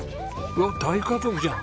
わあ大家族じゃん。